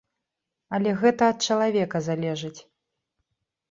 Але гэта ад чалавека залежыць.